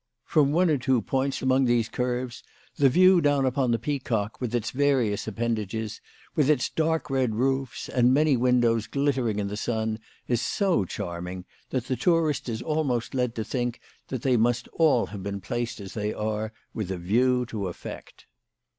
From one or two points among these curves the view down upon the Peacock with its various appendages, with its dark red roofs, and many windows glittering in the sun, is so charming, that the tourist is almost led to think that they must all have been placed as they are with a view to effect.